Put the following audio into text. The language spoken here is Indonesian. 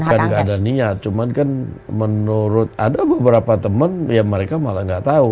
bukan nggak ada niat cuman kan menurut ada beberapa teman ya mereka malah nggak tahu